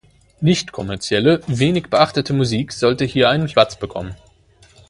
Nichtkommerzielle, wenig beachtete Musik sollte hier einen Platz bekommen.